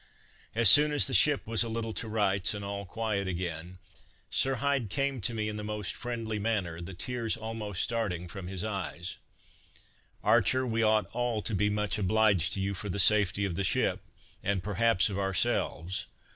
As soon as the ship was a little to rights, and all quiet again, Sir Hyde came to me in the most friendly manner, the tears almost starting from his eyes "Archer, we ought all, to be much obliged to you for the safety of the ship, and perhaps of ourselves.